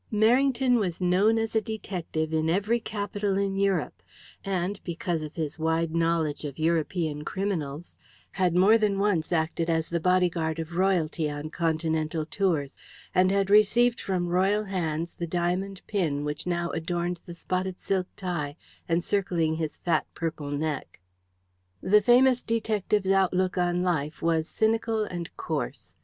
Merrington was known as a detective in every capital in Europe, and because of his wide knowledge of European criminals had more than once acted as the bodyguard of Royalty on continental tours, and had received from Royal hands the diamond pin which now adorned the spotted silk tie encircling his fat purple neck. The famous detective's outlook on life was cynical and coarse.